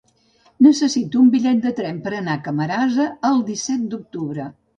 Necessito un bitllet de tren per anar a Camarasa el disset d'octubre.